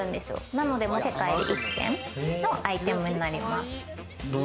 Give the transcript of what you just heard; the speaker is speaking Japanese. なので世界１点のアイテムになります。